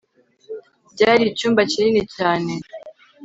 byari icyumba kinini cyane